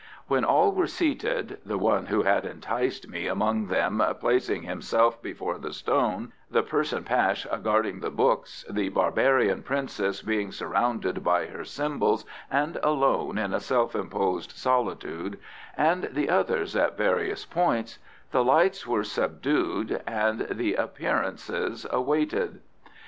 When all were seated the one who had enticed me among them placing himself before the stone, the person Pash guarding the books, the barbarian princess being surrounded by her symbols and alone in a self imposed solitude, and the others at various points the lights were subdued and the appearances awaited.